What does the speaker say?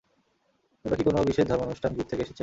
তোমরা কি কোনো বিশেষ ধর্মানুষ্টান গ্রুপ থেকে এসেছে?